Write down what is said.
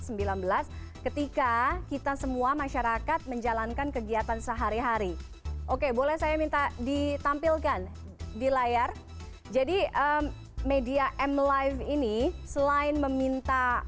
pembukaan sektor perekonomian pun harus dibarengi dengan pemetaan potensi munculnya